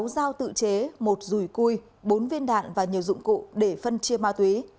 sáu dao tự chế một rùi cui bốn viên đạn và nhiều dụng cụ để phân chia ma túy